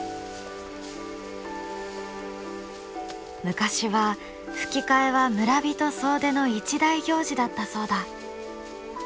昔は葺き替えは村人総出の一大行事だったそうだ。